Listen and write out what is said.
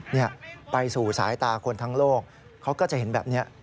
นี่ไปสู่สายตาคนทั้งโลกเขาก็จะเห็นแบบนี้